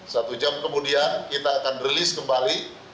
satu jam kemudian kita akan rilis kembali